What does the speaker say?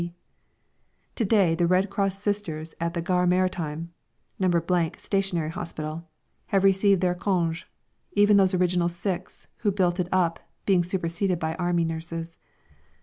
S.C. To day the Red Cross sisters at the Gare Maritime (No. Stationary Hospital) have received their congé, even those "original six" who built it up, being superseded by Army nurses.